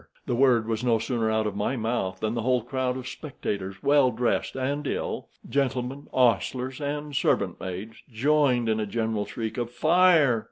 The word was no sooner out of my mouth than the whole crowd of spectators, well dressed and ill—gentlemen, hostlers, and servant maids—joined in a general shriek of "Fire!"